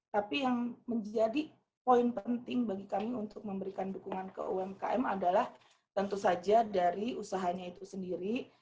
tapi yang menjadi poin penting bagi kami untuk memberikan dukungan ke umkm adalah tentu saja dari usahanya itu sendiri